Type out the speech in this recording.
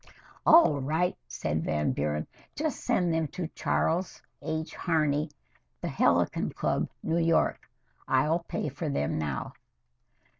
"All right," said Van Buren. "Just send them to Charles H. Harney, The Helicon Club, New York. I'll pay for them now."